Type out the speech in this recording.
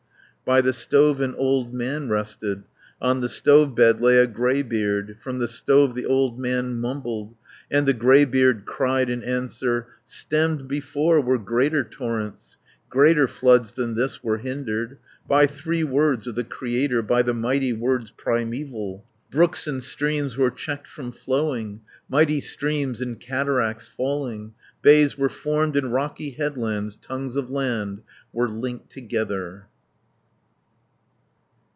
270 By the stove an old man rested, On the stove bed lay a greybeard, From the stove the old man mumbled, And the greybeard cried in answer, "Stemmed before were greater torrents, Greater floods than this were hindered, By three words of the Creator, By the mighty words primeval. Brooks and streams were checked from flowing; Mighty streams in cataracts falling, 280 Bays were formed in rocky headlands, Tongues of land were linked together."